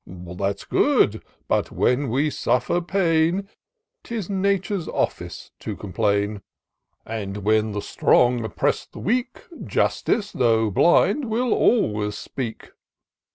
Syntax. " That's good; — but when we suffer pain, 'Tis Nature's office to complain ; And when the strong oppress the weak. Justice, though blind, will always speak.